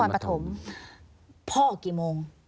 พ่อกี่โมง